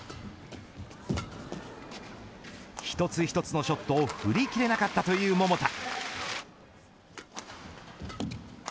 一つ一つのショットを振りきれなかったという桃田。